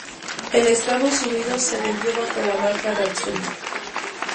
En Estados Unidos se vendió bajo la marca Datsun.